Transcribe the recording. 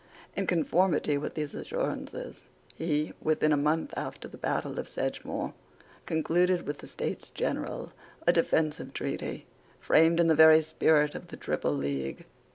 In conformity with these assurances, he, within a month after the battle of Sedgemoor, concluded with the States General a defensive treaty, framed in the very spirit of the Triple League.